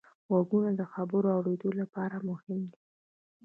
غوږونه د خبرو اورېدلو لپاره مهم دي